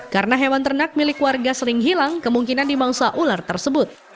karena hewan ternak milik warga sering hilang kemungkinan dimangsa ular tersebut